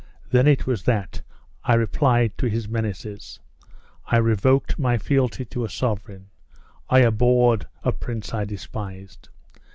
Then it was that, I reply to his menaces, I revoked my fealty to a sovereign I abhorred, a prince I despised.